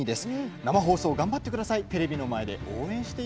生放送、頑張ってください。